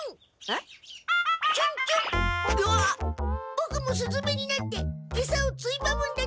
ボクもすずめになってエサをついばむんだちゅん。